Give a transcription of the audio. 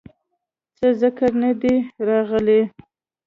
څۀ ذکر نۀ دے راغلے